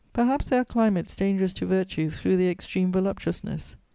Perhaps there are climates dangerous to virtue through their extreme voluptuousness.